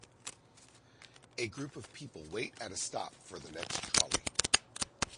A group of people wait at a stop for the next trolley